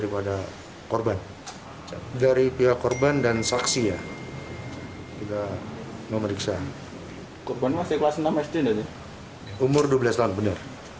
polisi juga memeriksa saksi lainnya